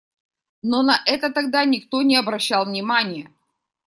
Но на это тогда никто не обращал внимание.